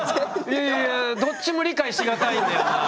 いやいやいやいやどっちも理解し難いんだよなあ。